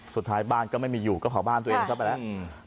สุดท้ายบ้านก็ไม่มีอยู่ก็เผาบ้านตัวเองซะไปแล้ว